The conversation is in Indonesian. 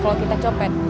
kalau kita copet